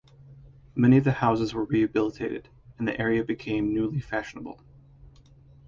Many of the houses were rehabilitated, and the area became newly fashionable.